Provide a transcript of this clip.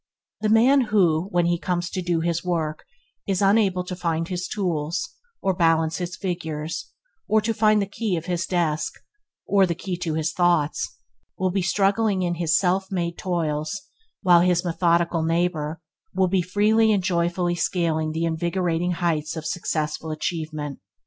The man who, when he comes to do his work, is unable to find his tools, or to balance his figures, or to find the key of his desk, or the key to his thoughtless, will be struggling in his self made toils while his methodical neighbor will be freely and joyfully scaling the invigorating heights of successful achievement.